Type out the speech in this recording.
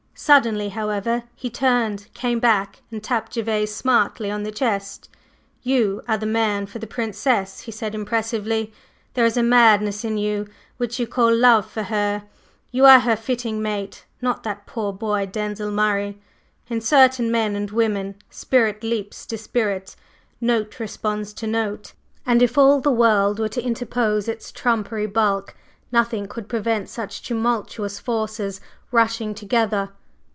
Suddenly, however, he turned, came back and tapped Gervase smartly on the chest. "You are the man for the Princess," he said impressively. "There is a madness in you which you call love for her; you are her fitting mate, not that poor boy, Denzil Murray. In certain men and women spirit leaps to spirit, note responds to note and if all the world were to interpose its trumpery bulk, nothing could prevent such tumultuous forces rushing together.